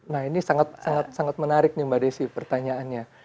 nah ini sangat menarik nih mbak desi pertanyaannya